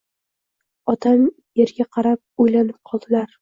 Otam erga qarab o`ylanib qoldilar